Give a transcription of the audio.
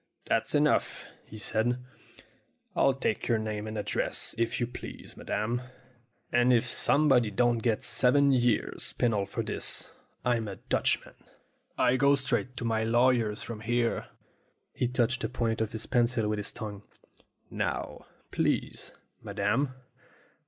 "That's enough," he said ; "I'll take your name and address, if you please, madam. And if somebody don't get seven years' penal for this, I'm a Dutchman. I go straight to my lawyer's from here." He touched the point of his pencil with his tongue. "Now, please, madam ?"